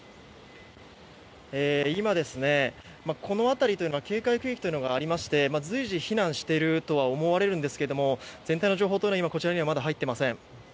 今、この辺りは警戒区域がありまして随時、避難しているとは思われるんですけど全体の情報というのはこちらには入っていません。